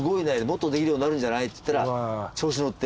もっとできるようになるんじゃない？って言ったら。